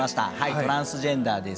トランスジェンダーです。